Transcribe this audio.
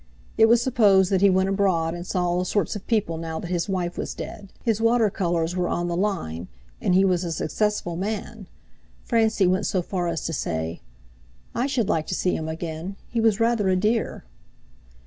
It was supposed that he went abroad and saw all sorts of people now that his wife was dead; his water colours were on the line, and he was a successful man. Francie went so far as to say: "I should like to see him again; he was rather a dear."